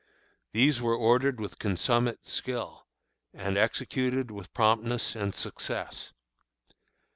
These were ordered with consummate skill, and executed with promptness and success.